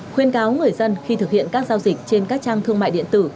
khuyên cáo người dân khi thực hiện các giao dịch trên các trang thương mại điện tử